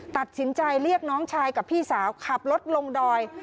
ตัดสินใจเรียกน้องชายกับพี่สาวขับรถลงดอย